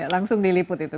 langsung diliput itu